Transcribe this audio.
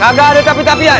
kagak ada tapi tapian